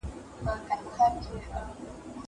دا ليکلي پاڼي له هغو پاکې دي!!